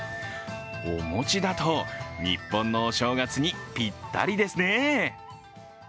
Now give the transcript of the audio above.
お餅だと日本のお正月にピッタリですね。